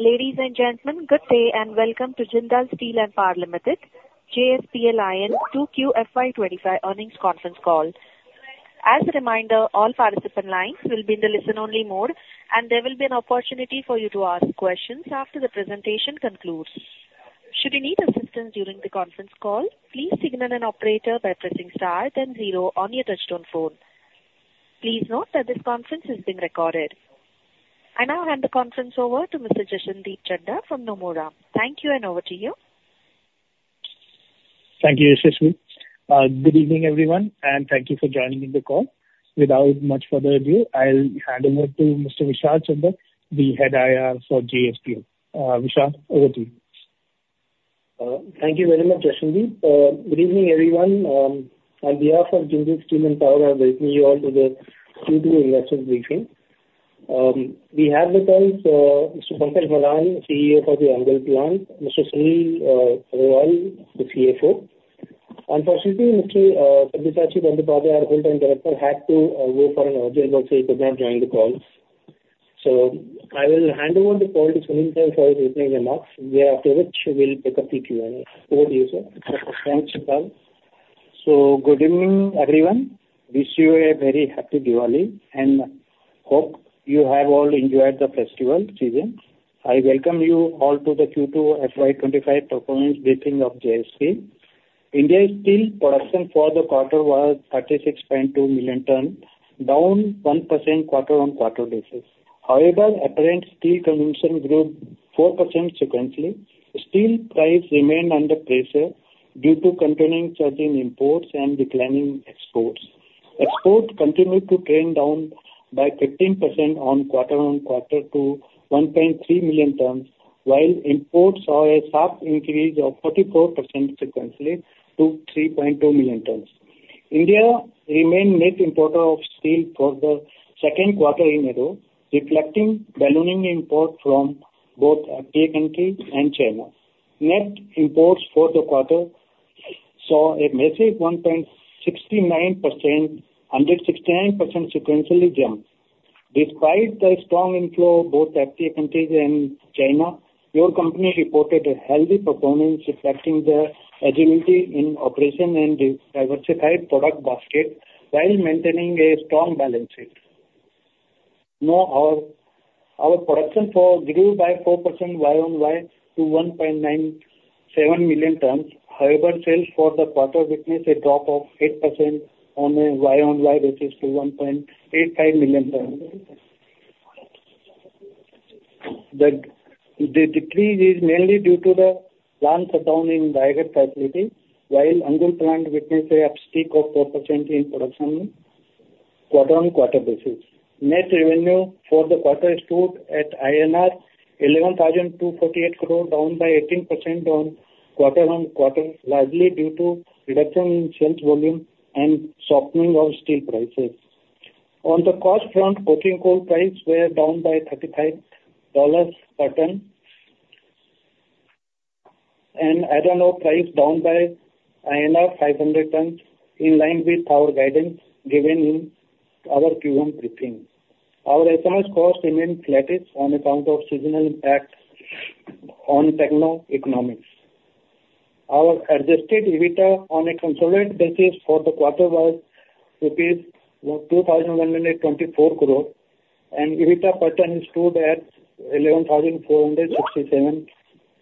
Ladies and gentlemen, good day and welcome to Jindal Steel and Power Limited, JSPL in 2QFY25 earnings conference call. As a reminder, all participant lines will be in the listen-only mode, and there will be an opportunity for you to ask questions after the presentation concludes. Should you need assistance during the conference call, please signal an operator by pressing star, then zero on your touch-tone phone. Please note that this conference is being recorded. I now hand the conference over to Mr. Jaisandeep Chadha from Nomura. Thank you, and over to you. Thank you, Yashaswin. Good evening, everyone, and thank you for joining the call. Without much further ado, I'll hand over to Mr. Vishal Chandak, the head IR for JSPL. Vishal, over to you. Thank you very much, Jaisandeep. Good evening, everyone. On behalf of Jindal Steel and Power, I'm joining you all today for the investors' briefing. We have with us Mr. Pankaj Malhan, CEO for the Angul plant, Mr. Sunil Agrawal, the CFO. Unfortunately, Mr. Sabyasachi Bandyopadhyay, our full-time director, had to go for an urgent work. He could not join the call. So I will hand over the call to Sunil for his opening remarks, thereafter which we'll take up the Q&A. Over to you, sir. Thanks, Vishal. So good evening, everyone. Wish you a very happy Diwali, and hope you have all enjoyed the festival season. I welcome you all to the Q2 FY25 performance briefing of JSPL. India's steel production for the quarter was 36.2 million tons, down 1% quarter-on-quarter basis. However, apparent steel consumption grew 4% sequentially. Steel prices remained under pressure due to continuing surging imports and declining exports. Exports continued to trend down by 15% on quarter-on-quarter to 1.3 million tons, while imports saw a sharp increase of 44% sequentially to 3.2 million tons. India remained the net importer of steel for the second quarter in a row, reflecting ballooning imports from both FTA countries and China. Net imports for the quarter saw a massive 1.69% sequentially jump. Despite the strong inflow of both FTA countries and China, our company reported a healthy performance, reflecting the agility in operation and diversified product basket while maintaining a strong balance sheet. Our production grew by 4% YoY to 1.97 million tons. However, sales for the quarter witnessed a drop of 8% on a YoY basis to 1.85 million tons. The decrease is mainly due to the plant shutdown in the Raigarh facility, while Angul plant witnessed an uptick of 4% in production quarter-on-quarter basis. Net revenue for the quarter stood at INR 11,248 crore, down by 18% on quarter-on-quarter, largely due to reduction in sales volume and softening of steel prices. On the cost front, coking coal prices were down by $35 per ton, and iron ore price down by INR 500 per ton, in line with our guidance given in our Q1 briefing. Our SMS cost remained flat on account of seasonal impact on techno-economics. Our adjusted EBITDA on a consolidated basis for the quarter was rupees 2,124 crore, and EBITDA per ton stood at 11,467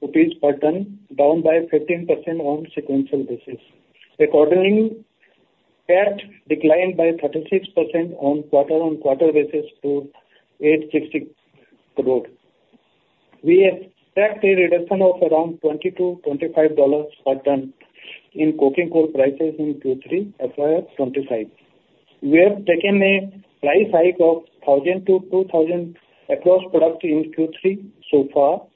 rupees per ton, down by 15% on sequential basis. Accordingly, that declined by 36% on quarter-on-quarter basis to INR 860 crore. We expect a reduction of around $20-$25 per ton in coking coal prices in Q3 FY25. We have taken a price hike of $1,000-$2,000 across product in Q3 so far.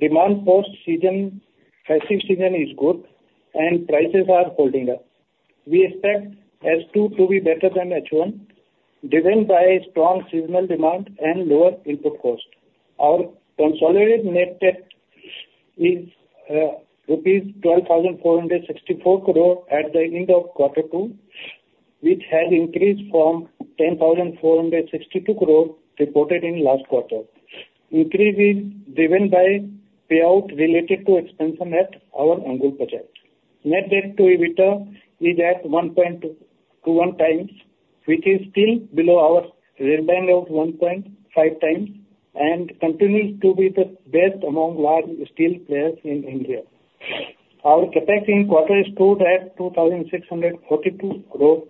Demand post-season festive season is good, and prices are holding up. We expect H2 to be better than H1, driven by strong seasonal demand and lower input cost. Our consolidated net debt is rupees 12,464 crore at the end of quarter two, which has increased from 10,462 crore reported in last quarter. Increase is driven by payout related to expansion at our Angul project. Net debt to EBITDA is at 1.21 times, which is still below our real band of 1.5 times and continues to be the best among large steel players in India. Our CapEx in quarter stood at 2,642 crore.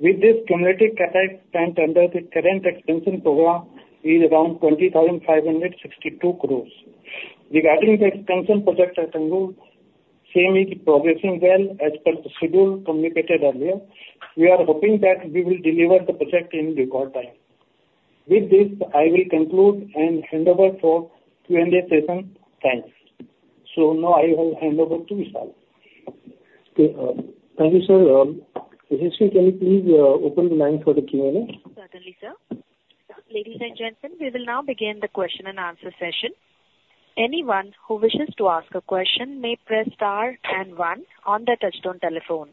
With this, cumulative CapEx spent under the current expansion program is around 20,562 crore. Regarding the expansion project at Angul, same is progressing well as per the schedule communicated earlier. We are hoping that we will deliver the project in record time. With this, I will conclude and hand over for Q&A session. Thanks. So now I will hand over to Vishal. Thank you, sir. Yashaswin, can you please open the line for the Q&A? Certainly, sir. Ladies and gentlemen, we will now begin the question and answer session. Anyone who wishes to ask a question may press star and one on the touch-tone telephone.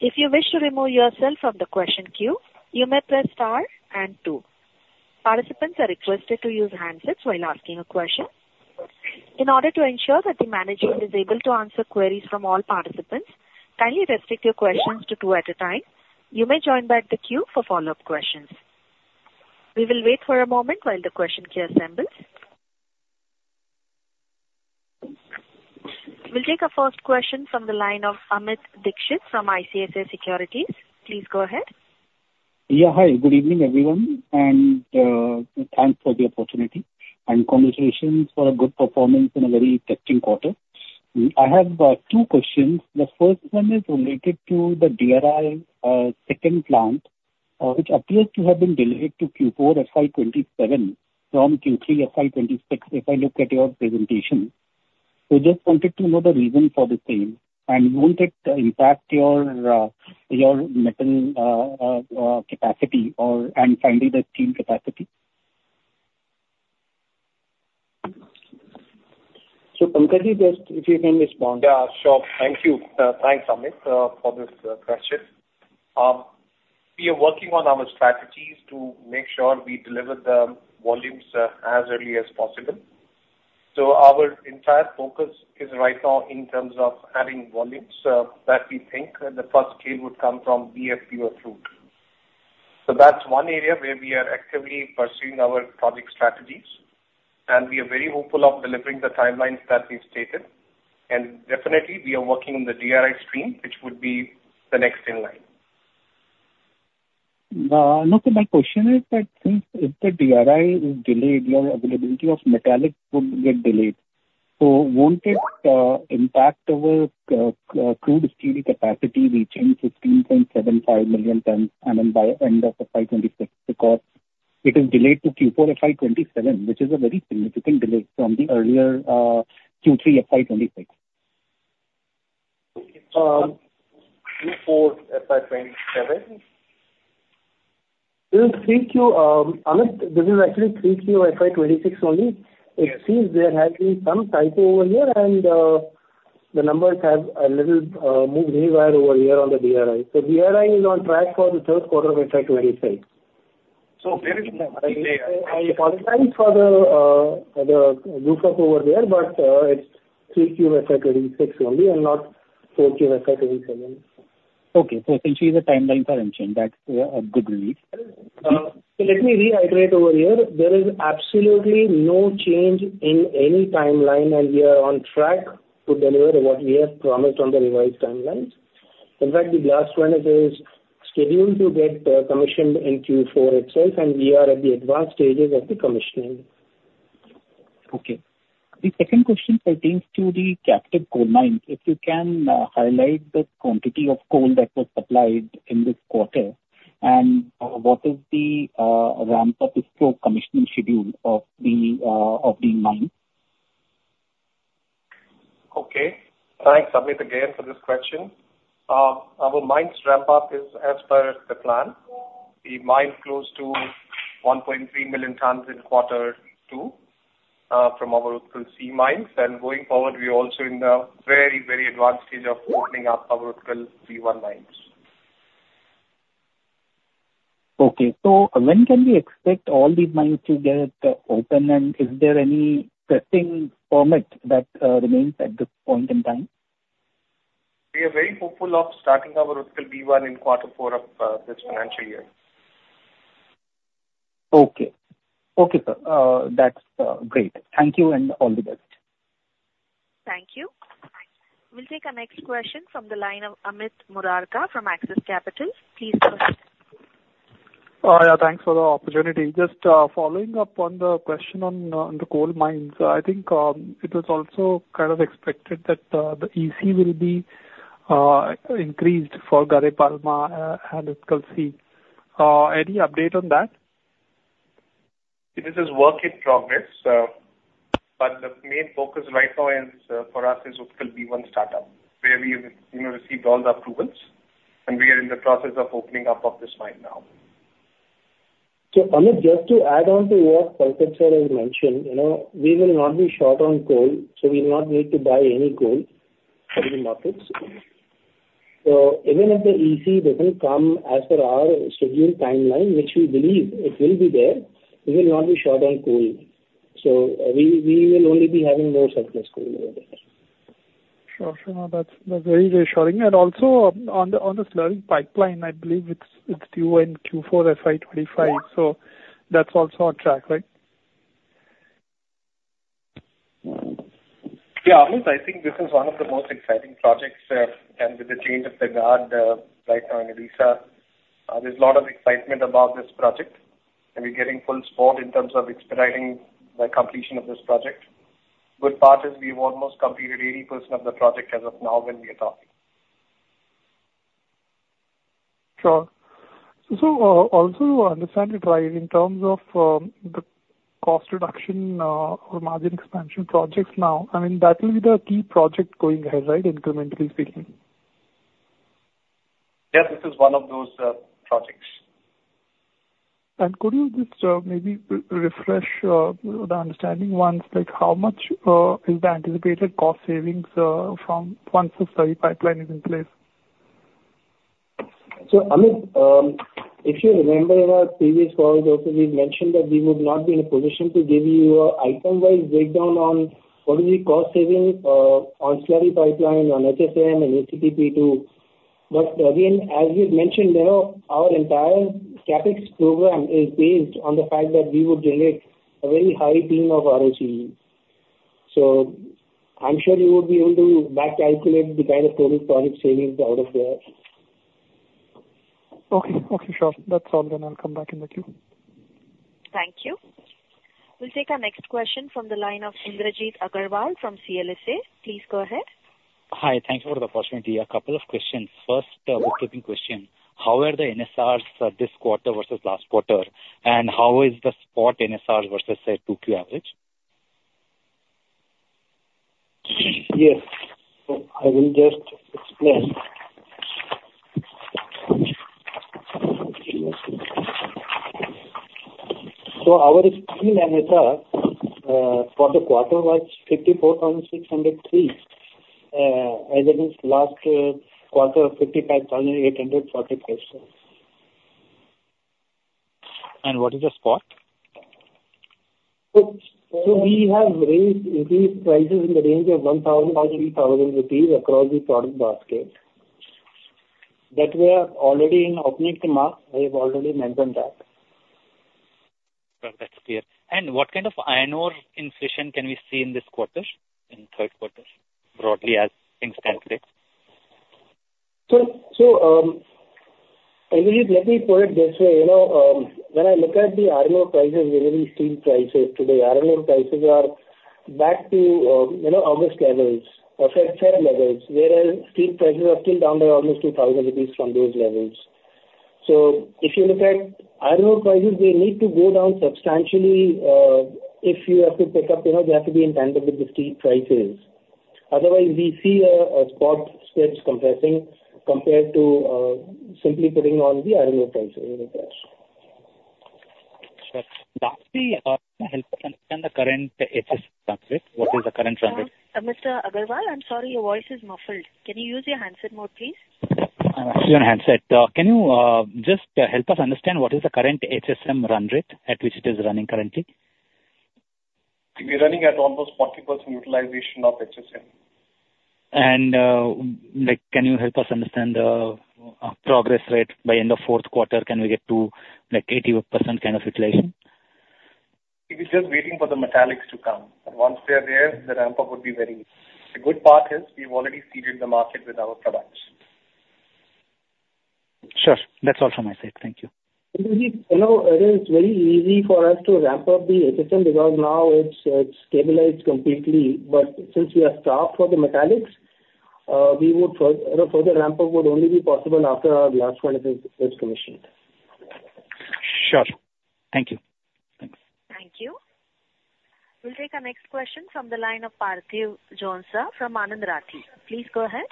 If you wish to remove yourself from the question queue, you may press star and two. Participants are requested to use handsets while asking a question. In order to ensure that the management is able to answer queries from all participants, kindly restrict your questions to two at a time. You may join back the queue for follow-up questions. We will wait for a moment while the question queue assembles. We'll take a first question from the line of Amit Dixit from ICICI Securities. Please go ahead. Yeah, hi. Good evening, everyone, and thanks for the opportunity, and congratulations for a good performance in a very testing quarter. I have two questions. The first one is related to the DRI second plant, which appears to have beendelayed to Q4 FY27 from Q3 FY26, if I look at your presentation. We just wanted to know the reason for the sale, and we wanted to impact your metal capacity and finally the steel capacity. So Pankaj, just if you can respond. Yeah, sure. Thank you. Thanks, Amit, for this question. We are working on our strategies to make sure we deliver the volumes as early as possible, so our entire focus is right now in terms of adding volumes that we think the first scale would come from BF or crude. So that's one area where we are actively pursuing our project strategies, and we are very hopeful of delivering the timelines that we've stated, and definitely, we are working on the DRI stream, which would be the next in line. Not in my question, but since if the DRI is delayed, your availability of metallic would get delayed. So wanted impact over crude steel capacity reaching 15.75 million tons by end of FY26 because it is delayed to Q4 FY27, which is a very significant delay from the earlier Q3 FY26. Q4 FY27? This is 3Q. Amit, this is actually 3Q FY26 only. It seems there has been some typo over here, and the numbers have a little moved meanwhile over here on the DRI. So DRI is on track for the third quarter of FY26. I apologize for the goof up over there, but it's 3Q FY26 only and not 4Q FY27. Okay, so essentially the timeline for, that's. Let me reiterate over here. There is absolutely no change in any timeline, and we are on track to deliver what we have promised on the revised timelines. In fact, the Blast 1 is scheduled to get commissioned in Q4 itself, and we are at the advanced stages of the commissioning. Okay. The second question pertains to the captive coal mines. If you can highlight the quantity of coal that was supplied in this quarter, and what is the ramp-up of the commissioning schedule of the mines? Okay. Thanks, Amit, again for this question. Our mines ramp-up is as per the plan. We mine close to 1.3 million tons in quarter two from our Utkal C mines, and going forward, we are also in the very, very advanced stage of opening up our Utkal C mines. Okay. So when can we expect all these mines to get opened, and is there any testing permit that remains at this point in time? We are very hopeful of starting our Utkal B1 in quarter four of this financial year. Okay. Okay, sir. That's great. Thank you and all the best. Thank you. We'll take a next question from the line of Amit Murarka from Axis Capital. Please go ahead. Yeah, thanks for the opportunity. Just following up on the question on the coal mines, I think it was also kind of expected that the EC will be increased for Gare Palma and Utkal C. Any update on that? This is work in progress, but the main focus right now for us is Utkal B1 startup, where we have received all the approvals, and we are in the process of opening up this mine now. So Amit, just to add on to what Pankaj has mentioned, we will not be short on coal, so we will not need to buy any coal for the markets. So even if the EC doesn't come as per our scheduled timeline, which we believe it will be there, we will not be short on coal. So we will only be having more surplus coal over there. Sure, sure. That's very reassuring. And also on the slurry pipeline, I believe it's due in Q4 FY25, so that's also on track, right? Yeah, Amit, I think this is one of the most exciting projects, and with the change of the guard right now in Odisha, there's a lot of excitement about this project, and we're getting full support in terms of expediting the completion of this project. Good part is we've almost completed 80% of the project as of now when we are talking. Sure. So also to understand the drive in terms of the cost reduction or margin expansion projects now, I mean, that will be the key project going ahead, right, incrementally speaking? Yes, this is one of those projects. Could you just maybe refresh the understanding once? How much is the anticipated cost savings once the slurry pipeline is in place? So Amit, if you remember in our previous calls, we've mentioned that we would not be in a position to give you an item-wise breakdown on what is the cost saving on slurry pipeline, on HSM, and BF. But again, as we've mentioned there, our entire CapEx program is based on the fact that we would generate a very high ROCE. So I'm sure you would be able to back calculate the kind of total project savings out of there. Okay. Okay, sure. That's all, and I'll come back in the queue. Thank you. We'll take our next question from the line of Indrajit Agarwal from CLSA. Please go ahead. Hi, thanks for the opportunity. A couple of questions. First, a quick question. How are the NSRs this quarter versus last quarter? And how is the spot NSR versus 2Q average? Yes. So I will just explain. So our steel NSR for the quarter was 54,603, as it is last quarter, 55,845. What is the spot? We have increased prices in the range of 1,000-2,000 rupees across the product basket. We are already in the open market. I have already mentioned that. That's clear and what kind of iron ore inflation can we see in this quarter, in third quarter, broadly as things stand today? So let me put it this way. When I look at the iron ore prices related to steel prices today, iron ore prices are back to August levels, FY levels, whereas steel prices are still down by almost 2,000 rupees from those levels. So if you look at iron ore prices, they need to go down substantially if you have to pick up. They have to be in tandem with the steel prices. Otherwise, we see a spot spread compressing compared to simply putting on the iron ore prices in the past. Sure. Lastly, help us understand the current HSM run rate. What is the current run rate? Indrajit Agarwal, I'm sorry, your voice is muffled. Can you use your handset mode, please? I'm actually on handset. Can you just help us understand what is the current HSM run rate at which it is running currently? We're running at almost 40% utilization of HSM. Can you help us understand the progress rate by end of fourth quarter? Can we get to 80% kind of utilization? We're just waiting for the metallics to come. Once they're there, the ramp-up would be very easy. The good part is we've already seeded the market with our products. Sure. That's all from my side. Thank you. It is very easy for us to ramp up the HSM because now it's stabilized completely. But since we are stopped for the metallics, further ramp-up would only be possible after our last one is commissioned. Sure. Thank you. Thanks. Thank you. We'll take our next question from the line of Parthiv Jhonsa from Anand Rathi. Please go ahead.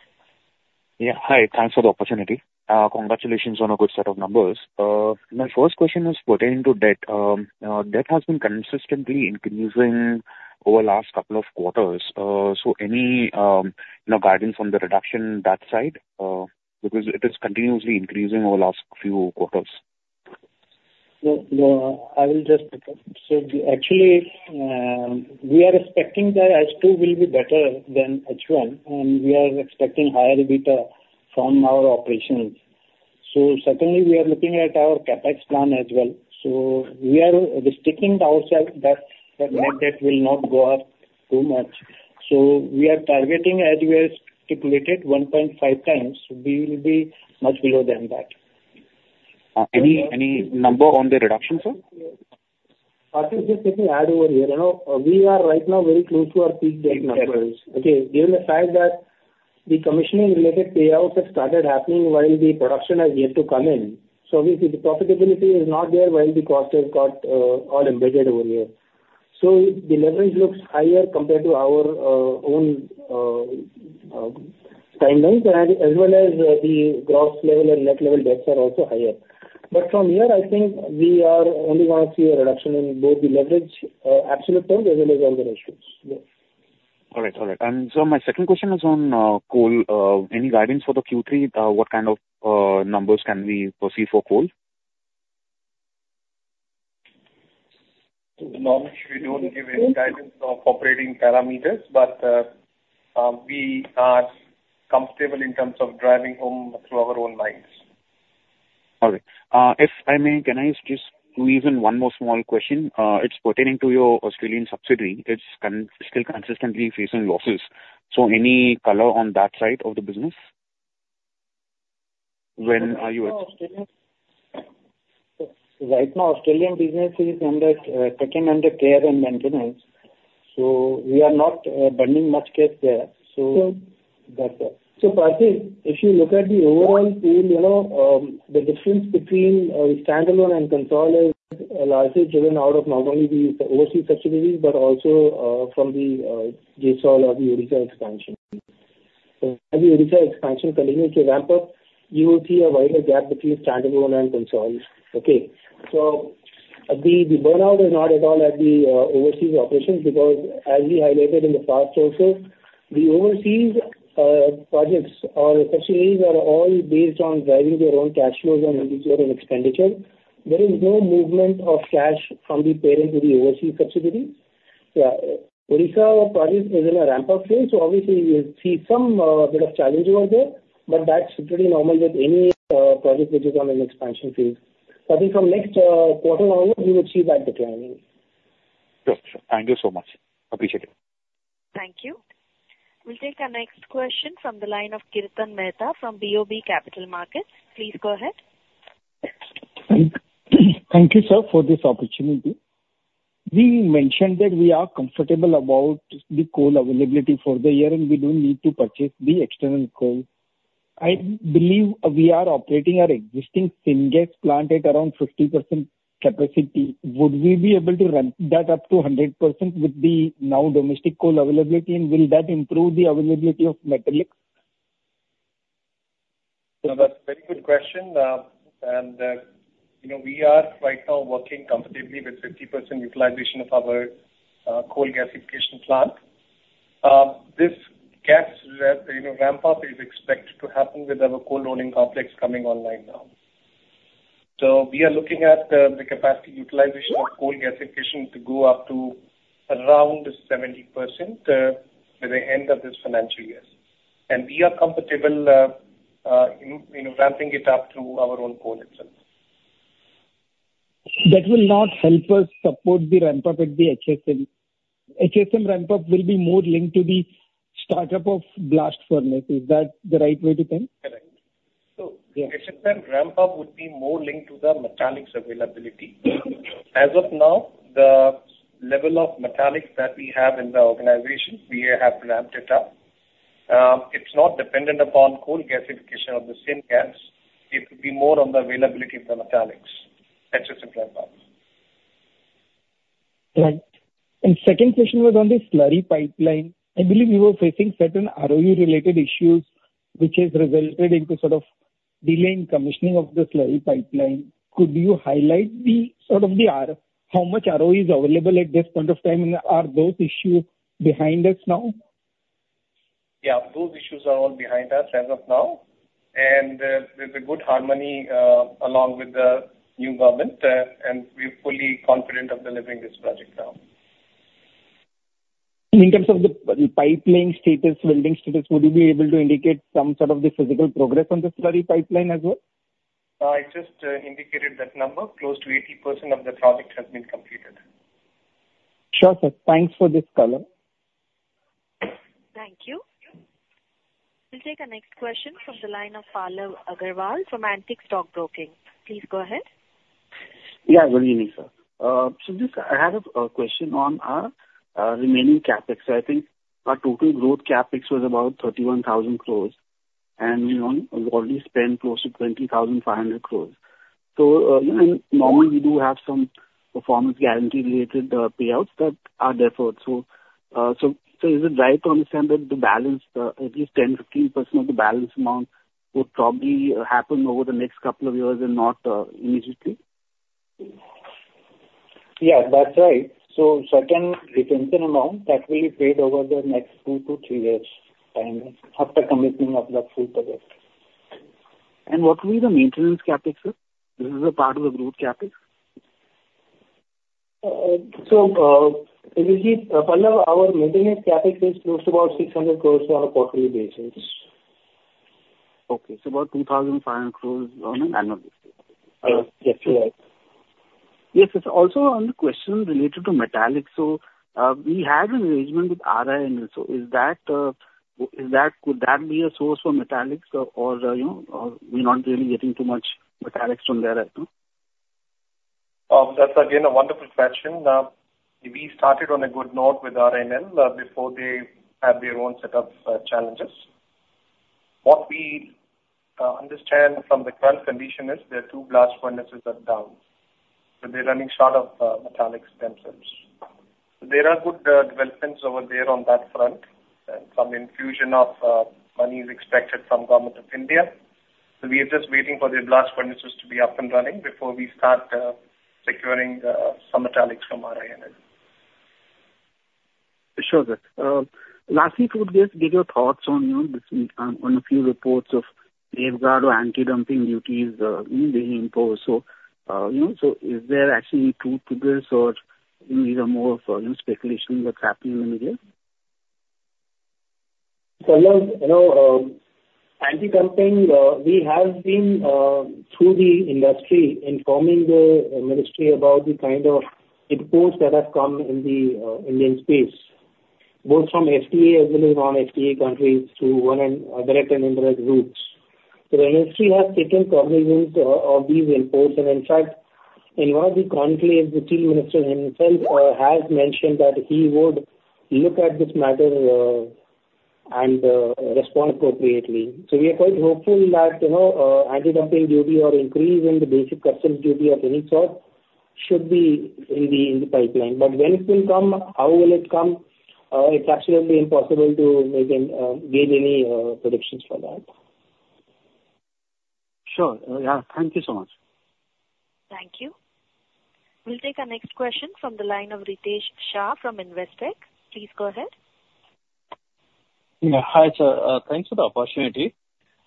Yeah, hi. Thanks for the opportunity. Congratulations on a good set of numbers. My first question is pertaining to debt. Debt has been consistently increasing over the last couple of quarters. So any guidance on the reduction that side? Because it is continuously increasing over the last few quarters. So, I will just say, actually, we are expecting that H2 will be better than H1, and we are expecting higher EBITDA from our operations. So, secondly, we are looking at our CapEx plan as well. So, we are restricting ourselves that net debt will not go up too much. So, we are targeting, as we have stipulated, 1.5 times. We will be much below than that. Any number on the reduction, sir? Parthiv, just let me add over here. We are right now very close to our peak debt numbers. Okay. Given the fact that the commissioning-related payouts have started happening while the production has yet to come in, so the profitability is not there while the cost has got all embedded over here. So the leverage looks higher compared to our own timelines, as well as the gross level and net level debts are also higher. But from here, I think we are only going to see a reduction in both the leverage absolute terms as well as other issues. All right. All right. And so my second question is on coal. Any guidance for the Q3? What kind of numbers can we foresee for coal? Normally, we don't give any guidance on operating parameters, but we are comfortable in terms of driving home through our own mines. All right. If I may, can I just squeeze in one more small question? It's pertaining to your Australian subsidiary. It's still consistently facing losses. So any color on that side of the business? When are you at? Right now, Australian business is undertaken under care and maintenance. So we are not burning much gas there. So that's it. So Parthiv, if you look at the overall pool, the difference between standalone and consolidated is largely driven out of not only the overseas subsidiaries, but also from the JSOL of the Odisha expansion. So as the Odisha expansion continues to ramp up, you will see a wider gap between standalone and consolidated. Okay. So the burn rate is not at all at the overseas operations because, as we highlighted in the past also, the overseas projects or subsidiaries are all based on driving their own cash flows and resources and expenditures. There is no movement of cash from the parent to the overseas subsidiary. So Odisha project is in a ramp-up phase, so obviously, you will see some bit of challenge over there, but that's pretty normal with any project which is on an expansion phase. So I think from next quarter onward, we will see that declining. Gotcha. Thank you so much. Appreciate it. Thank you. We'll take our next question from the line of Kirtan Mehta from BOB Capital Markets. Please go ahead. Thank you, sir, for this opportunity. We mentioned that we are comfortable about the coal availability for the year, and we don't need to purchase the external coal. I believe we are operating our existing syngas plant at around 50% capacity. Would we be able to ramp that up to 100% with the new domestic coal availability, and will that improve the availability of metallics? That's a very good question. And we are right now working comfortably with 50% utilization of our coal gasification plant. This gas ramp-up is expected to happen with our coal loading complex coming online now. So we are looking at the capacity utilization of coal gasification to go up to around 70% by the end of this financial year. And we are comfortable ramping it up through our own coal itself. That will not help us support the ramp-up at the HSM. HSM ramp-up will be more linked to the startup of blast furnaces. Is that the right way to think? Correct. So HSM ramp-up would be more linked to the metallics availability. As of now, the level of metallics that we have in the organization, we have ramped it up. It's not dependent upon coal gasification of the syngas. It would be more on the availability of the metallics at HSM ramp-up. Right, and second question was on the slurry pipeline. I believe you were facing certain ROE-related issues, which has resulted in sort of delaying commissioning of the slurry pipeline. Could you highlight sort of how much ROE is available at this point of time, and are those issues behind us now? Yeah, those issues are all behind us as of now, and there's a good harmony along with the new government, and we're fully confident of delivering this project now. In terms of the pipeline status, welding status, would you be able to indicate some sort of the physical progress on the slurry pipeline as well? I just indicated that number. Close to 80% of the project has been completed. Sure, sir. Thanks for this color. Thank you. We'll take our next question from the line of Pallav Agarwal from Antique Stock Broking. Please go ahead. Yeah, very unique, sir. So I have a question on our remaining CapEx. So I think our total growth CapEx was about 31,000 crore, and we already spent close to 20,500 crore. So normally, we do have some performance guarantee-related payouts that are deferred. So is it right to understand that the balance, at least 10%-15% of the balance amount, would probably happen over the next couple of years and not immediately? Yeah, that's right. So certain retention amount that will be paid over the next two to three years' time after commissioning of the full project. And what will be the maintenance CapEx, sir? This is a part of the growth CapEx. Pallav, our maintenance CapEx is close to about 600 crores on a quarterly basis. Okay, so about 2,500 crores on an annual basis. Yes, you're right. Yes, sir. Also on the question related to metallics, so we had an arrangement with RINL. So could that be a source for metallics, or are we not really getting too much metallics from there right now? That's again a wonderful question. We started on a good note with RINL before they had their own set of challenges. What we understand from the current condition is there are two blast furnaces that are down. So they're running short of metallics themselves. So there are good developments over there on that front, and some infusion of money is expected from the Government of India. So we are just waiting for the blast furnaces to be up and running before we start securing some metallics from RINL. Sure, sir. Lastly, could we just get your thoughts on a few reports of safeguard or anti-dumping duties being imposed? So is there actually truth to this, or is it more speculation that's happening in the media? Pallav, anti-dumping, we have been through the industry informing the ministry about the kind of imports that have come in the Indian space, both from FTA as well as non-FTA countries through direct and indirect routes. So the ministry has taken cognizance of these imports. And in fact, in one of the conclaves, the chief minister himself has mentioned that he would look at this matter and respond appropriately. So we are quite hopeful that anti-dumping duty or increase in the basic customs duty of any sort should be in the pipeline. But when it will come, how will it come? It's absolutely impossible to make any predictions for that. Sure. Yeah. Thank you so much. Thank you. We'll take our next question from the line of Ritesh Shah from Investec. Please go ahead. Yeah. Hi, sir. Thanks for the opportunity.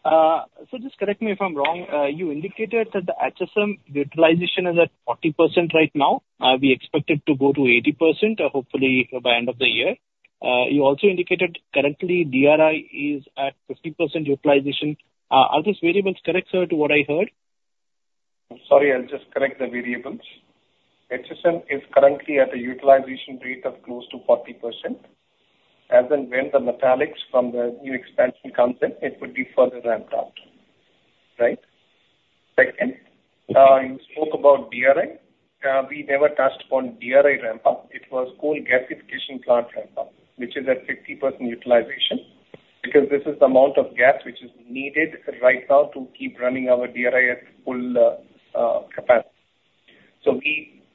So just correct me if I'm wrong. You indicated that the HSM utilization is at 40% right now. We expect it to go to 80%, hopefully by end of the year. You also indicated currently DRI is at 50% utilization. Are those variables correct, sir, to what I heard? Sorry, I'll just correct the variables. HSM is currently at a utilization rate of close to 40%. As in when the metallics from the new expansion comes in, it would be further ramped up. Right? Second, you spoke about DRI. We never touched upon DRI ramp-up. It was coal gasification plant ramp-up, which is at 50% utilization because this is the amount of gas which is needed right now to keep running our DRI at full capacity. So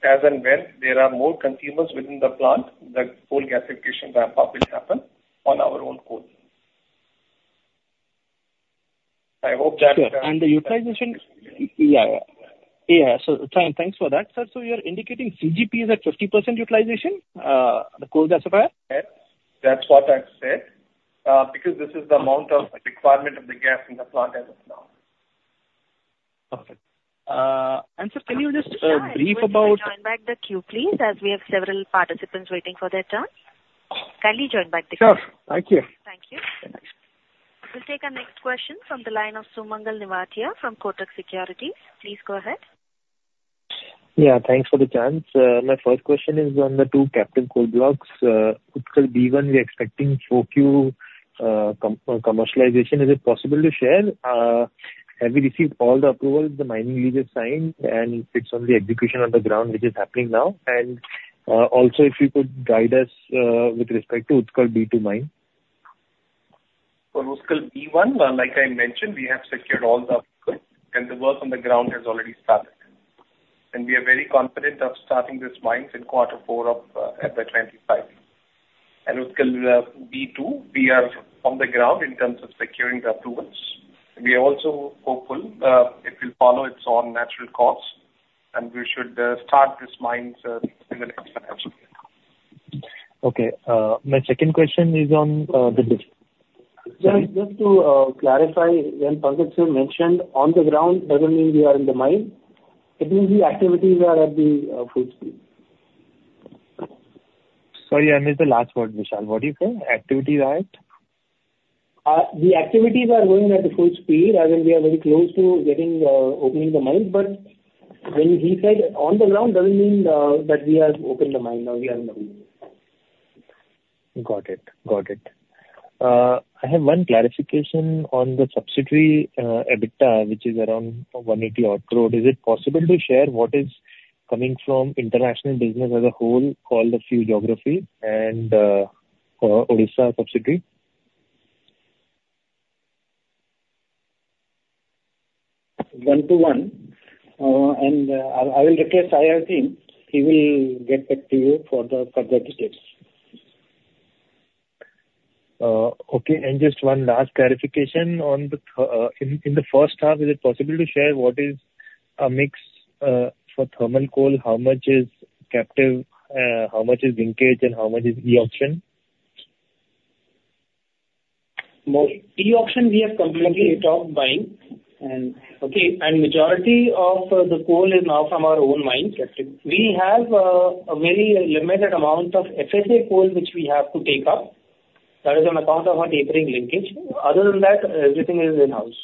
as in when there are more consumers within the plant, the coal gasification ramp-up will happen on our own coal. I hope that. Sure. And the Yeah. Yeah. So thanks for that, sir. So you're indicating CGP is at 50% utilization, the coal gasifier? Yes. That's what I've said because this is the amount of requirement of the gas in the plant as of now. Perfect. And sir, can you just brief about. Can you join back the queue, please, as we have several participants waiting for their turn? Kindly join back the queue. Sure. Thank you. Thank you. We'll take our next question from the line of Sumangal Nevatia from Kotak Securities. Please go ahead. Yeah. Thanks for the chance. My first question is on the two captive coal blocks. Could Utkal B1 be expecting 4Q commercialization? Is it possible to share? Have we received all the approvals? The mining lease is signed, and it's on the execution on the ground, which is happening now. And also, if you could guide us with respect to Utkal B2 mine. For Utkal B1, like I mentioned, we have secured all the approvals, and the work on the ground has already started, and we are very confident of starting this mines in quarter four of FY25, and Utkal B2, we are on the ground in terms of securing the approvals. We are also hopeful it will follow its own natural course, and we should start this mines in the next financial year. Okay. My second question is on the. Sorry, just to clarify, when Pankaj mentioned on the ground, doesn't mean we are in the mine. It means the activities are at the full speed. Sorry, I missed the last word, Vishal. What did you say? Activities, right? The activities are going at the full speed, as in we are very close to getting opening the mines. But when he said on the ground, doesn't mean that we have opened the mine. We are in the mines. Got it. Got it. I have one clarification on the subsidiary EBITDA, which is around 180 crore. Is it possible to share what is coming from international business as a whole called the few geographies and Odisha subsidiary? One to one and I will request IR team. He will get back to you for the details. Okay. And just one last clarification on the first half: is it possible to share what is a mix for thermal coal? How much is captive? How much is vintage? And how much is the auction? The auction, we have completely stopped buying, and majority of the coal is now from our own mines. We have a very limited amount of FSA coal, which we have to take up. That is on account of our tapering linkage. Other than that, everything is in-house.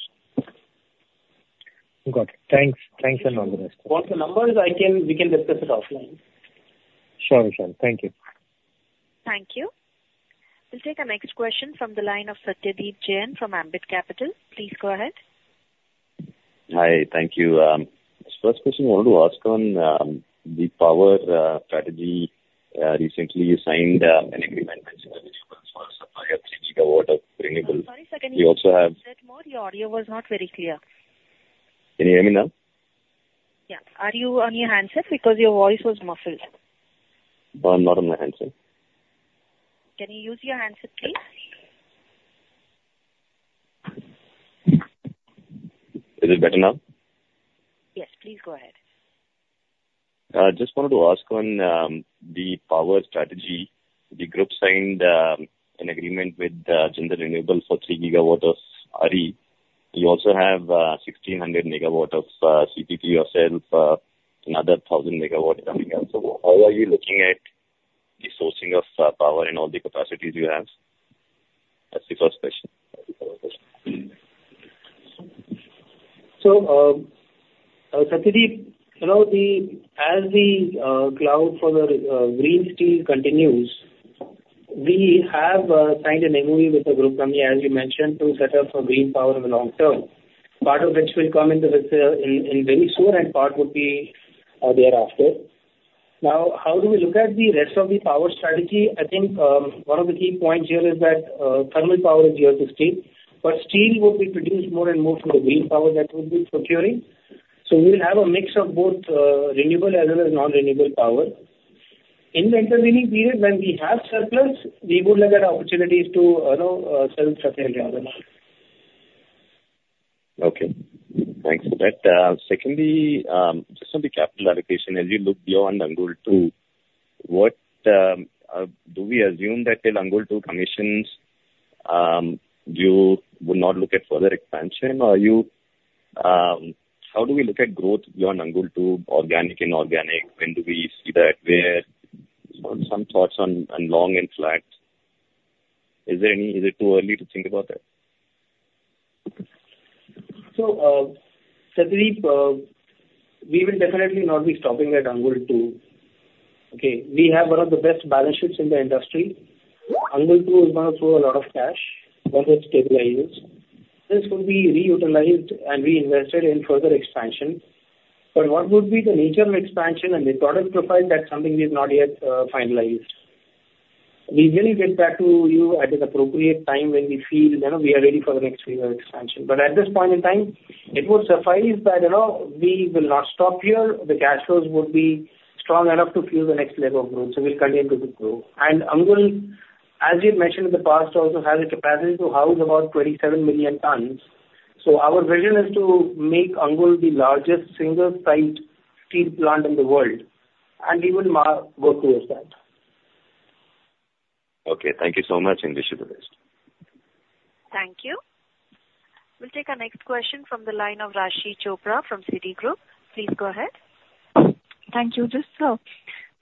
Got it. Thanks. Thanks a lot, Vishal. Want the numbers? We can discuss it offline. Sure, Vishal. Thank you. Thank you. We'll take our next question from the line of Satyadeep Jain from Ambit Capital. Please go ahead. Hi. Thank you. This first question I wanted to ask on the power strategy. Recently, you signed an agreement with SECI for a supply of three gigawatt of renewable... Sorry, Your audio was not very clear. Can you hear me now? Yeah. Are you on your handset because your voice was muffled? I'm not on my handset. Can you use your handset, please? Is it better now? Yes. Please go ahead. Just wanted to ask on the power strategy. The group signed an agreement with Jindal Renewable for three gigawatt of RE. You also have 1,600 megawatt of CPP yourself, another 1,000 megawatt coming out. So how are you looking at the sourcing of power and all the capacities you have? That's the first question. Satyadeep, as the clamor for the green steel continues, we have signed an MOU with the group, as you mentioned, to set up for green power in the long term, part of which will come in very soon, and part would be thereafter. Now, how do we look at the rest of the power strategy? I think one of the key points here is that thermal power is here to stay, but steel would be produced more and more from the green power that would be procuring. We will have a mix of both renewable as well as non-renewable power. In the intervening period, when we have surplus, we would look at opportunities to sell it to the grid. Okay. Thanks for that. Secondly, just on the capital allocation, as you look beyond Angul 2, do we assume that till Angul 2 commissions, you would not look at further expansion? How do we look at growth beyond Angul 2, organic, inorganic? When do we see that? Some thoughts on long and flat. Is it too early to think about that? Satyadeep, we will definitely not be stopping at Angul 2. Okay? We have one of the best balance sheets in the industry. Angul 2 is going to throw a lot of cash, one of its stabilizers. This will be reutilized and reinvested in further expansion. But what would be the nature of expansion and the product profile, that's something we've not yet finalized. We will get back to you at an appropriate time when we feel we are ready for the next phase of expansion. But at this point in time, it would suffice that we will not stop here. The cash flows would be strong enough to fuel the next leg of growth, so we'll continue to grow. Angul, as you mentioned in the past, also has a capacity to house about 27 million tons. So our vision is to make Angul the largest single-site steel plant in the world and even work towards that. Okay. Thank you so much. I wish you the best. Thank you. We'll take our next question from the line of Raashi Chopra from Citigroup. Please go ahead. Thank you. Just to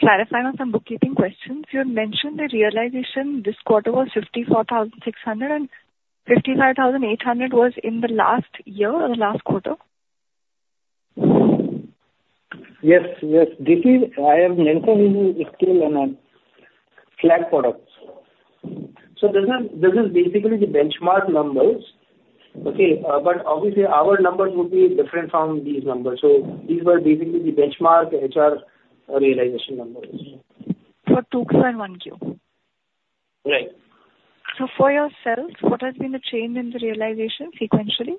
clarify on some bookkeeping questions. You had mentioned the realization this quarter was 54,600, and 55,800 was in the last year or the last quarter? Yes. Yes. I have mentioned it's still a flat product. So this is basically the benchmark numbers. Okay? But obviously, our numbers would be different from these numbers. So these were basically the benchmark HR realization numbers. For 2Q and 1Q? Right. For yourselves, what has been the change in the realization sequentially?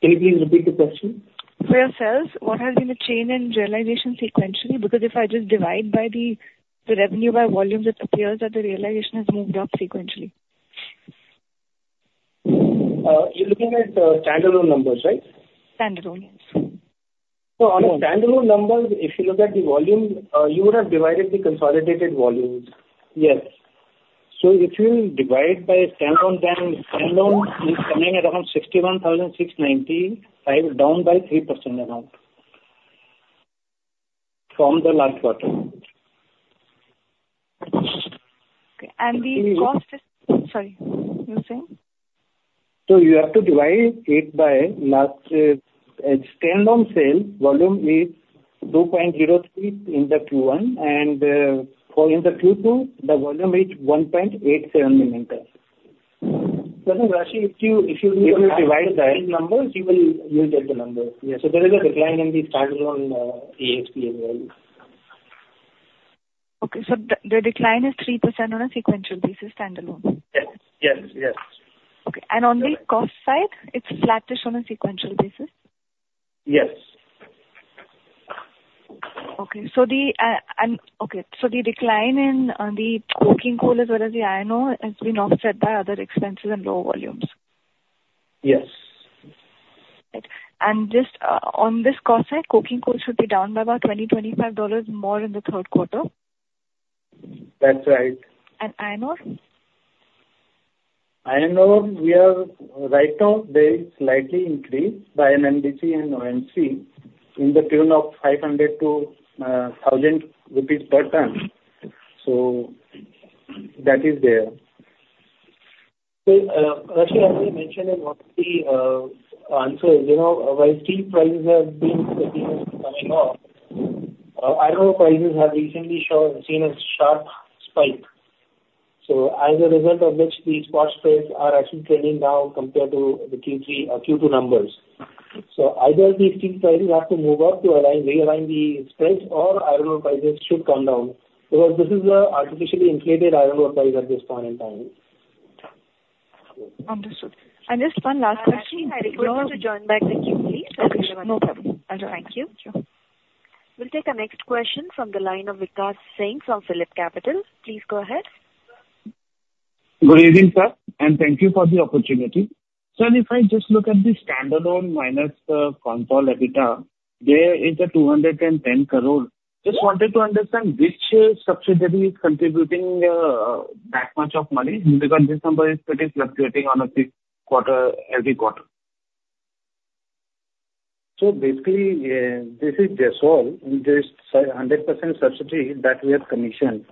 Can you please repeat the question? For yourselves, what has been the change in realization sequentially? Because if I just divide by the revenue by volume, it appears that the realization has moved up sequentially. You're looking at standalone numbers, right? Standalone, yes. So on the standalone numbers, if you look at the volume, you would have divided the consolidated volumes. Yes. So if you divide by standalone, it's coming at around 61,695, down by 3% from the last quarter. Okay. And the cost is. Sorry. You say? So you have to divide it by last. Standalone sales volume is 2.03 in the Q1. And in the Q2, the volume is 1.87 million. So I think, Raashi, if you divide by, if you divide by numbers, you will get the number. Yes. So there is a decline in the standalone ASP as well. Okay. So the decline is 3% on a sequential basis, standalone? Yes. Yes. Yes. Okay. And on the cost side, it's flattish on a sequential basis? Yes. Okay. So the decline in the coking coal as well as the iron ore has been offset by other expenses and lower volumes? Yes. Right. And just on this cost side, coking coal should be down by about $20-$25 more in the third quarter? That's right. Iron ore? Iron ore, we are right now; there is a slight increase by NMDC and OMC to the tune of 500-1,000 rupees per ton. So that is there. Raashi, as I mentioned in the answer, while steel prices have been continuously coming up, iron ore prices have recently seen a sharp spike. So as a result of which, these cost spreads are actually trending down compared to the Q2 numbers. So either these steel prices have to move up to realign the spreads, or iron ore prices should come down because this is an artificially inflated iron ore price at this point in time. Understood. And just one last question. [audio inaudible] to join back the queue, please? Okay. No problem. Thank you. We'll take our next question from the line of Vikash Singh from Phillip Capital. Please go ahead. Good evening, sir. Thank you for the opportunity. Sir, if I just look at the standalone minus the consolidated, there is 210 crore. Just wanted to understand which subsidiary is contributing that much of money because this number is pretty fluctuating on a quarter every quarter. So basically, this is JSOL, and there is 100% subsidiary that we have commissioned.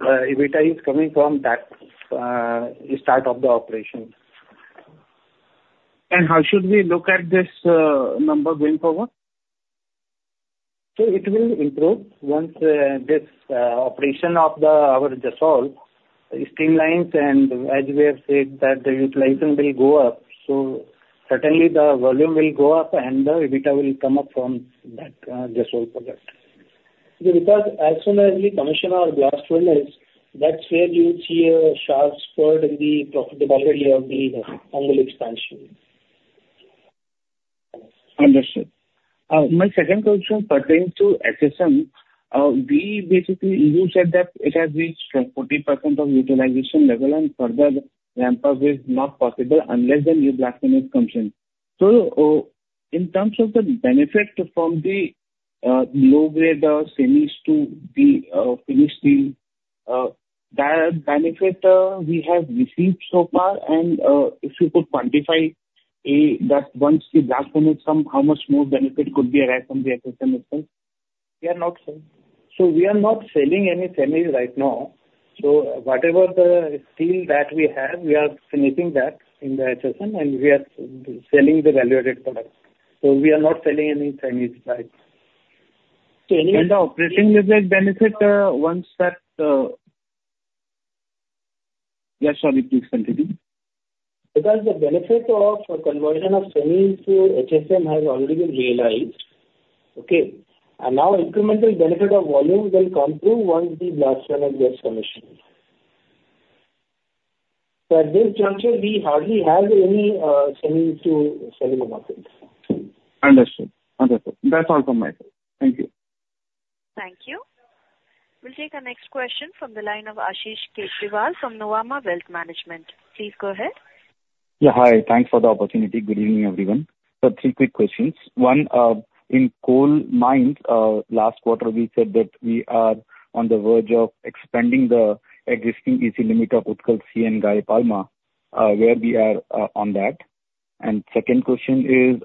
EBITDA is coming from the start of the operation. How should we look at this number going forward? It will improve once the operation of our JSOL streamlines, and as we have said, the utilization will go up. Certainly, the volume will go up, and the EBITDA will come up from that JSOL product. Because as soon as we commission our blast furnace, that is where you see a sharp spurt in the profitability of the Angul expansion. Understood. My second question pertaining to HSM. You said that it has reached 40% of utilization level, and further ramp-up is not possible unless the new coal mines come in. So in terms of the benefit from the low-grade semis to the finished steel, that benefit we have received so far, and if you could quantify that once the coal mines come, how much more benefit could be arrived from the HSM itself? We are not selling. So we are not selling any semis right now. So whatever steel that we have, we are finishing that in the HSM, and we are selling the value-added products. So we are not selling any semis right now. And the operating leverage benefit once that, yeah, sorry, please continue. Because the benefit of conversion of semis to HSM has already been realized. Okay? And now incremental benefit of volume will come through once the coal mines get commissioned. So at this juncture, we hardly have any semis to sell in the market. Understood. Understood. That's all from my side. Thank you. Thank you. We'll take our next question from the line of Ashish Kejriwal from Nuvama Wealth Management. Please go ahead. Yeah. Hi. Thanks for the opportunity. Good evening, everyone. So three quick questions. One, in coal mines, last quarter, we said that we are on the verge of expanding the existing EC limit of Utkal C and Gare Palma, where we are on that. And second question is,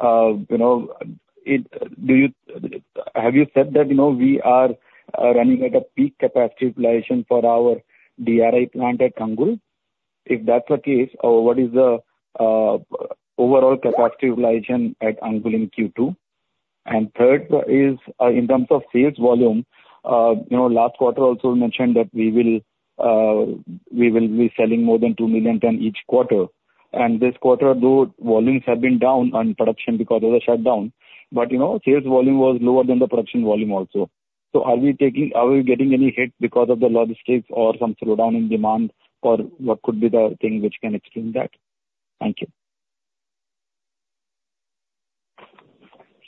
have you said that we are running at a peak capacity utilization for our DRI plant at Angul? If that's the case, what is the overall capacity utilization at Angul in Q2? And third is, in terms of sales volume, last quarter also mentioned that we will be selling more than two million tonnes each quarter. And this quarter, though, volumes have been down on production because of the shutdown. But sales volume was lower than the production volume also. So are we getting any hit because of the logistics or some slowdown in demand, or what could be the thing which can explain that? Thank you.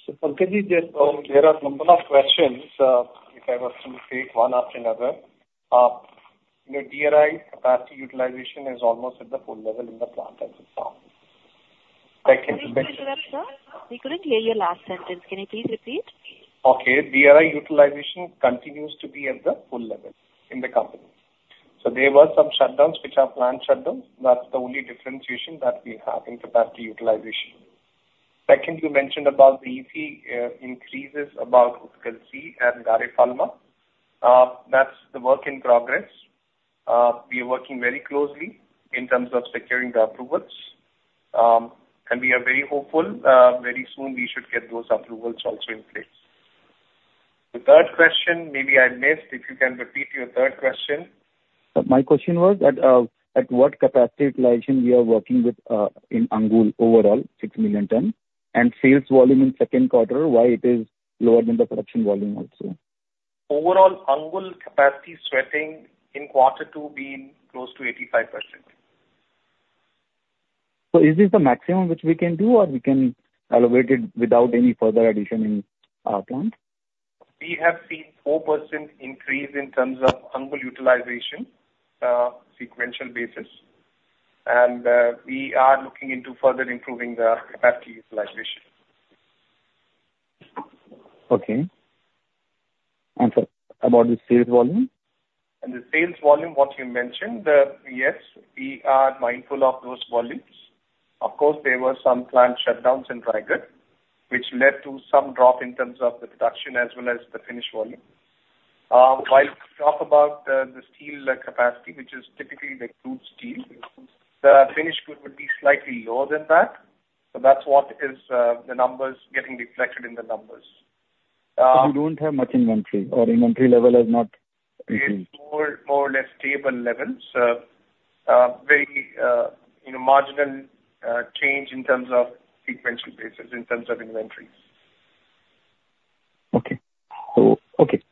So for Ashish, just there are a number of questions. If I was to take one after another, DRI capacity utilization is almost at the full level in the plant as it now. Can you repeat that, sir? We couldn't hear your last sentence. Can you please repeat? Okay. DRI utilization continues to be at the full level in the company. So there were some shutdowns, which are planned shutdowns. That's the only differentiation that we have in capacity utilization. Second, you mentioned about the EC increases about Utkal C and Gare Palma. That's the work in progress. We are working very closely in terms of securing the approvals. And we are very hopeful very soon we should get those approvals also in place. The third question, maybe I missed. If you can repeat your third question. My question was, at what capacity utilization we are working with in Angul overall, 6 million tonnes, and sales volume in second quarter, why it is lower than the production volume also? Overall, Angul capacity sweating in quarter two being close to 85%. Is this the maximum which we can do, or we can elevate it without any further addition in our plant? We have seen 4% increase in terms of Angul utilization sequential basis, and we are looking into further improving the capacity utilization. Okay. And about the sales volume? The sales volume, what you mentioned, yes, we are mindful of those volumes. Of course, there were some plant shutdowns in Raigarh, which led to some drop in terms of the production as well as the finished volume. While we talk about the steel capacity, which is typically the crude steel, the finished good would be slightly lower than that. That's what is the numbers getting reflected in the numbers. You don't have much inventory, or inventory level has not increased? It's more or less stable levels. Very marginal change in terms of sequential basis, in terms of inventories. Okay.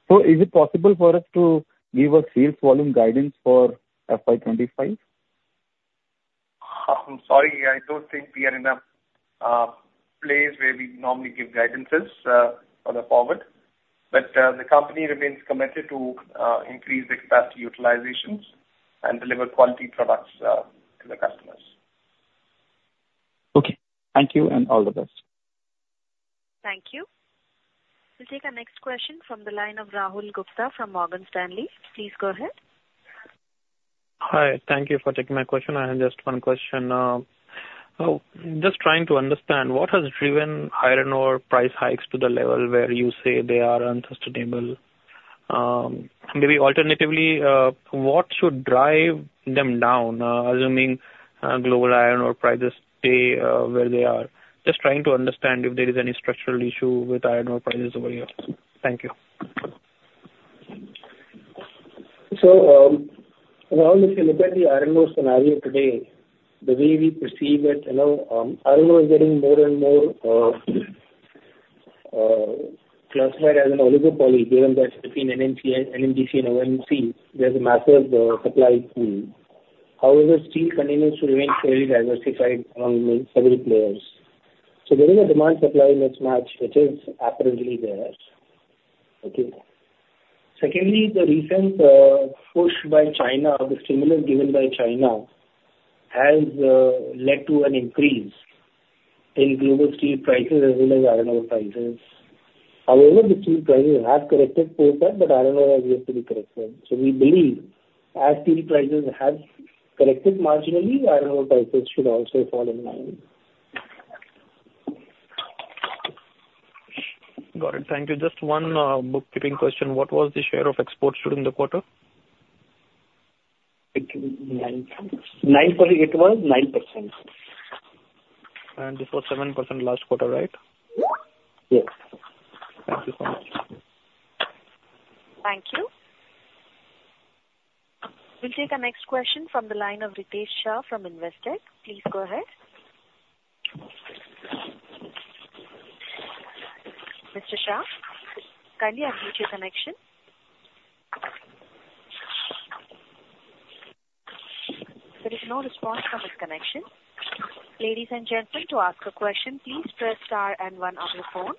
So, is it possible for us to give a sales volume guidance for FY25? I'm sorry. I don't think we are in a place where we normally give guidances for the forward. But the company remains committed to increase the capacity utilizations and deliver quality products to the customers. Okay. Thank you, and all the best. Thank you. We'll take our next question from the line of Rahul Gupta from Morgan Stanley. Please go ahead. Hi. Thank you for taking my question. I have just one question. Just trying to understand what has driven iron ore price hikes to the level where you say they are unsustainable? Maybe alternatively, what should drive them down, assuming global iron ore prices stay where they are? Just trying to understand if there is any structural issue with iron ore prices over here? Thank you. So around the global iron ore scenario today, the way we perceive it, iron ore is getting more and more classified as an oligopoly, given that between NMDC and OMC, there's a massive supply pool. However, steel continues to remain fairly diversified among several players. So there is a demand-supply mismatch which is apparently there. Okay. Secondly, the recent push by China, the stimulus given by China, has led to an increase in global steel prices as well as iron ore prices. However, the steel prices have corrected for that, but iron ore has yet to be corrected. So we believe as steel prices have corrected marginally, iron ore prices should also fall in line. Got it. Thank you. Just one bookkeeping question. What was the share of exports during the quarter? It was 9%. It was 7% last quarter, right? Yes. Thank you so much. Thank you. We'll take our next question from the line of Ritesh Shah from Investec. Please go ahead. Mr. Shah, kindly unmute your connection. There is no response from this connection. Ladies and gentlemen, to ask a question, please press star and one on your phone.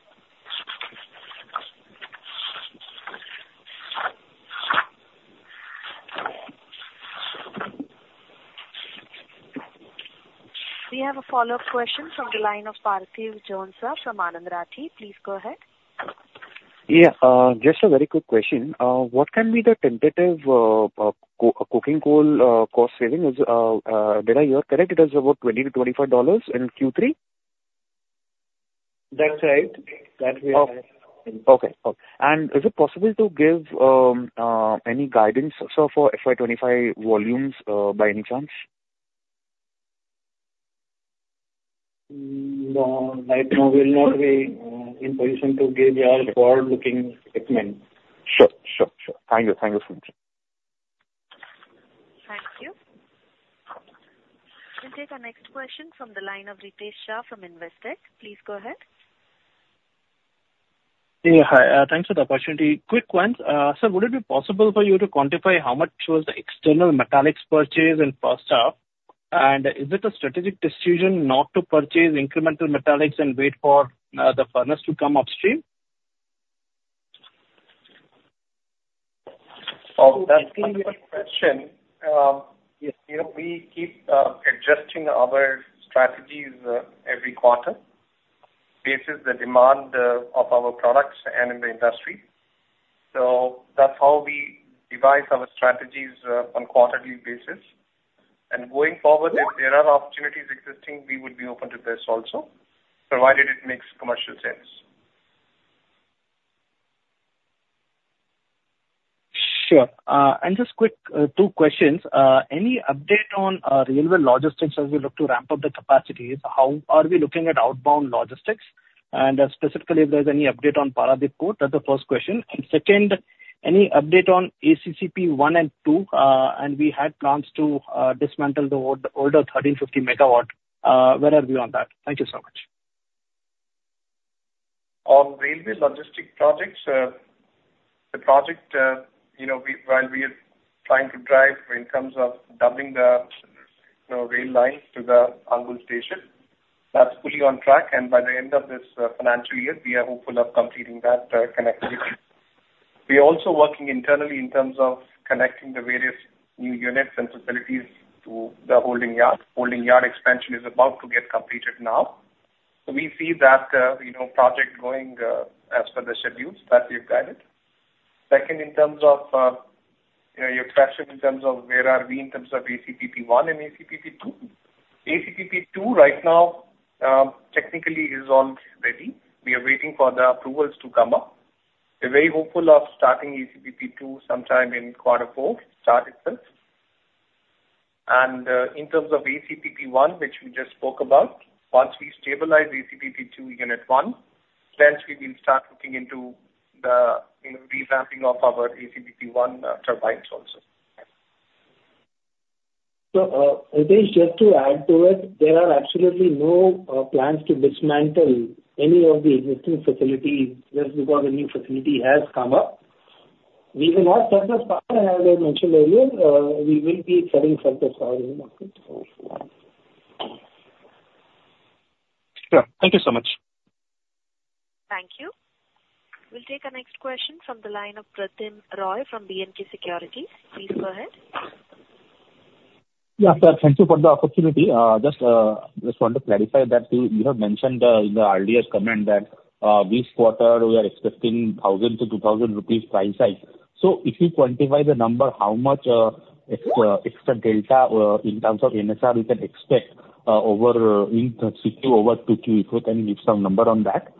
We have a follow-up question from the line of Parthiv Jhonsa from Anand Rathi. Please go ahead. Yeah. Just a very quick question. What can be the tentative coking coal cost saving? Did I hear correct? It is about $20-$25 in Q3? That's right. That we have. Is it possible to give any guidance for FY25 volumes by any chance? No. Right now, we'll not be in position to give your forward-looking segment. Sure. Thank you so much. Thank you. We'll take our next question from the line of Ritesh Shah from Investec. Please go ahead. Yeah. Hi. Thanks for the opportunity. Quick one. Sir, would it be possible for you to quantify how much was the external metallics purchase in first half? And is it a strategic decision not to purchase incremental metallics and wait for the furnace to come upstream? Oh, that's a good question. We keep adjusting our strategies every quarter based on the demand of our products and in the industry. So that's how we devise our strategies on a quarterly basis. And going forward, if there are opportunities existing, we would be open to this also, provided it makes commercial sense. Sure. And just quick two questions. Any update on railway logistics as we look to ramp up the capacities? How are we looking at outbound logistics? And specifically, if there's any update on Paradip Port, that's the first question. And second, any update on ACPP 1 and 2? And we had plans to dismantle the older 1350 megawatt. Where are we on that? Thank you so much. On railway logistic projects, the project, while we are trying to drive in terms of doubling the rail lines to the Angul station, that's fully on track, and by the end of this financial year, we are hopeful of completing that connectivity. We are also working internally in terms of connecting the various new units and facilities to the holding yard. Holding yard expansion is about to get completed now, so we see that project going as per the schedules that we have guided. Second, in terms of your question in terms of where are we in terms of ACPP 1 and ACPP 2? ACPP 2 right now, technically, is all ready. We are waiting for the approvals to come up. We're very hopeful of starting ACPP 2 sometime in quarter four to start itself. In terms of ACPP 1, which we just spoke about, once we stabilize ACPP 2 unit 1, hence, we will start looking into the revamping of our ACPP 1 turbines also. So Ritesh, just to add to it, there are absolutely no plans to dismantle any of the existing facilities just because a new facility has come up. We will have surplus power, as I mentioned earlier. We will be selling surplus power in the market. Sure. Thank you so much. Thank you. We'll take our next question from the line of Pratim Roy from B&K Securities. Please go ahead. Yeah, sir. Thank you for the opportunity. Just want to clarify that you have mentioned in the earlier comment that this quarter, we are expecting 1,000-2,000 rupees price hike. So if you quantify the number, how much extra delta in terms of NSR we can expect in 3Q over 2Q? If you can give some number on that?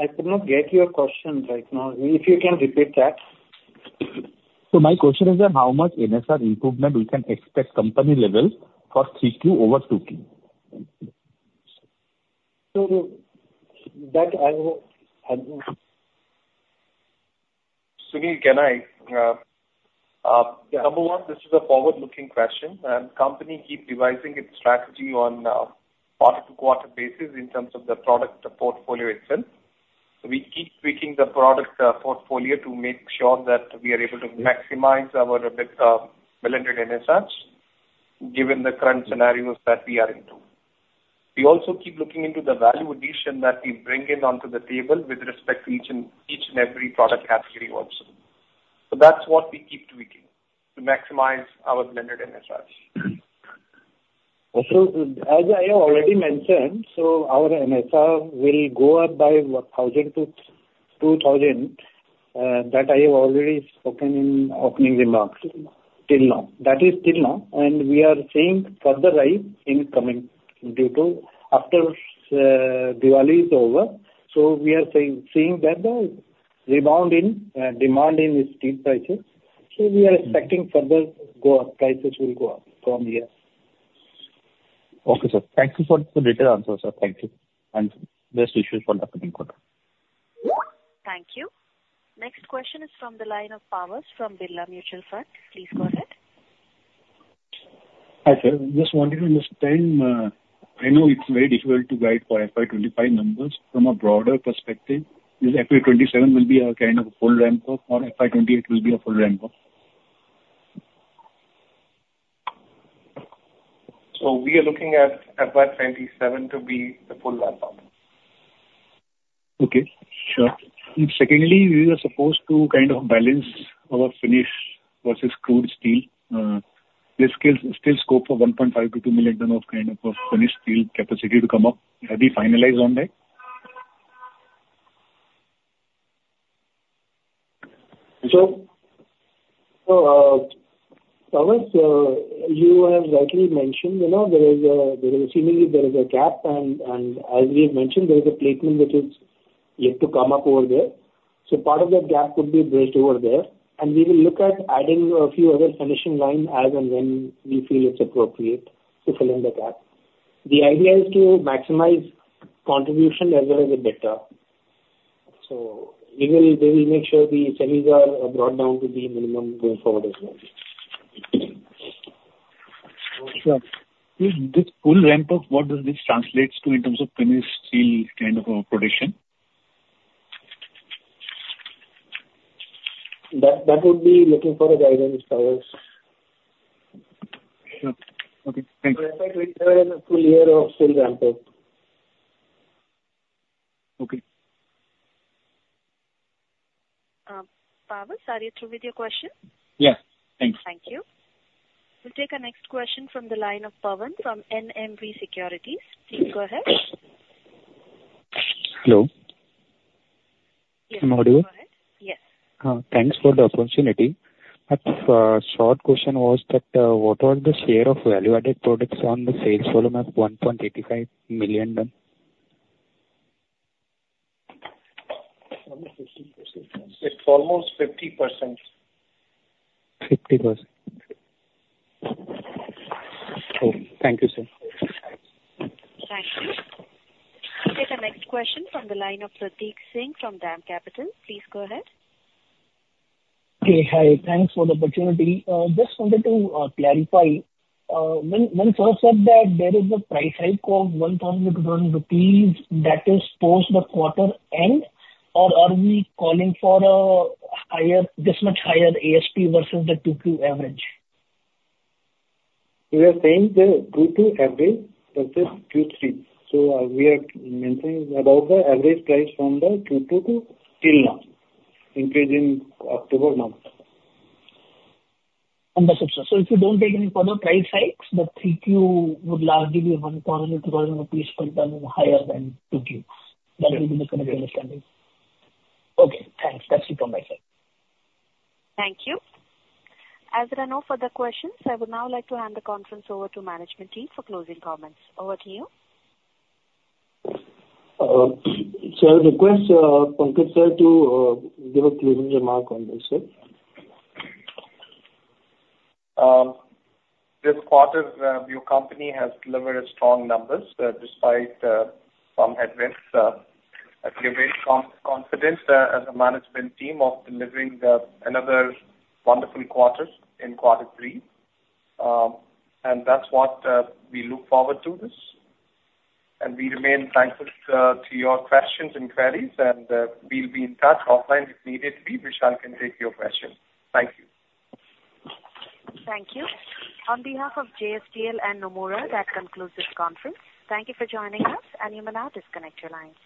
I could not get your question right now. If you can repeat that? So my question is that how much NSR improvement we can expect company level for 3Q over 2Q? So, Sunil, can I? Number one, this is a forward-looking question. The company keeps revising its strategy on quarter-to-quarter basis in terms of the product portfolio itself. We keep tweaking the product portfolio to make sure that we are able to maximize our value-added NSRs given the current scenarios that we are into. We also keep looking into the value addition that we bring in onto the table with respect to each and every product category also. That's what we keep tweaking to maximize our blended NSRs. As I have already mentioned, our NSR will go up by 1,000-2,000. That I have already spoken in opening remarks. That is still now. We are seeing further rise incoming due to after Diwali is over. We are seeing that the rebound in demand in steel prices. We are expecting further prices will go up from here. Okay, sir. Thank you for the detailed answer, sir. Thank you. And best wishes for the upcoming quarter. Thank you. Next question is from the line of Pavas from Birla Mutual Fund. Please go ahead. Hi, sir. Just wanted to understand. I know it's very difficult to guide for FY25 numbers. From a broader perspective, is FY27 will be a kind of full ramp-up, or FY28 will be a full ramp-up? So we are looking at FY27 to be the full ramp-up. Okay. Sure. Secondly, we were supposed to kind of balance our finished versus crude steel. There's still scope for 1.5 to 2 million tonne of kind of finished steel capacity to come up. Have we finalized on that? Pavas, you have rightly mentioned there is seemingly a gap. And as we have mentioned, there is a Plate Mill which is yet to come up over there. So part of that gap could be bridged over there. And we will look at adding a few other finishing lines as and when we feel it's appropriate to fill in the gap. The idea is to maximize contribution as well as the delta. So we will make sure the semis are brought down to the minimum going forward as well. Sure. This full ramp-up, what does this translate to in terms of finished steel kind of production? That would be looking for a guidance, Pavas. Sure. Okay. Thank you. FY27 is a full year of full ramp-up. Okay. Pavas, are you through with your question? Yes. Thanks. Thank you. We'll take our next question from the line of Pawan from LKP Securities. Please go ahead. Hello. Yes. I'm audible? Go ahead. Yes. Thanks for the opportunity. My short question was that what was the share of value-added products on the sales volume of 1.85 million tonne? It's almost 50%. 50%. Okay. Thank you, sir. Thank you. We'll take our next question from the line of Prateek Singh from DAM Capital. Please go ahead. Okay. Hi. Thanks for the opportunity. Just wanted to clarify. When Sir said that there is a price hike of 1,200 rupees, that is post the quarter end, or are we calling for this much higher ASP versus the 2Q average? We are saying the 2Q Q3. So we are mentioning about the average price from the Q2 to till now, increasing October month. Understood, sir. So if you don't take any further price hikes, the 3Q would largely be 1,000-2,000 per tonne higher than 2Q. That would be the kind of understanding. Okay. Thanks. That's it from my side. Thank you. As there are no further questions, I would now like to hand the conference over to management team for closing comments. Over to you. Sir, request Pankaj Sir to give a closing remark on this, sir. This quarter, your company has delivered strong numbers despite some headwinds. We have gained confidence as a management team of delivering another wonderful quarter in quarter three. And that's what we look forward to this. And we remain thankful to your questions and queries. And we'll be in touch offline if needed to be, which I can take your question. Thank you. Thank you. On behalf of JSPL and Nomura, that concludes this conference. Thank you for joining us. And you may now disconnect your lines.